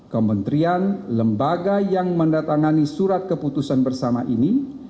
kementerian lembaga yang mendatangani surat keputusan bersama ini